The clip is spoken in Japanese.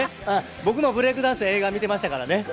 僕も『ブレイクダンス』の映画を見てましたからね。